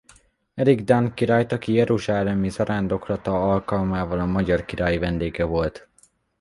Erik dán királyt aki jeruzsálemi zarándoklata alkalmával a magyar király vendége volt.